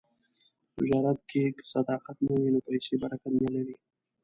په تجارت کې که صداقت نه وي، نو پیسې برکت نه لري.